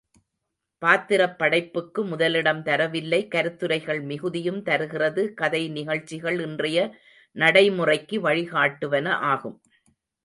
பாத்திரப்படைப்புக்கு முதலிடம் தரவில்லை கருத்துரைகள் மிகுதியும் தருகிறது கதை நிகழ்ச்சிகள் இன்றைய நடைமுறைக்கு வழிகாட்டுவன ஆகும்.